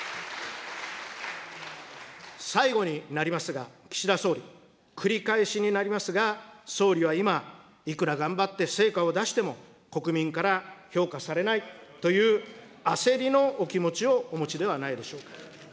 最後になりますが、岸田総理、繰り返しになりますが、総理は今、いくら頑張って成果を出しても、国民から評価されないという焦りのお気持ちをお持ちではないでしょうか。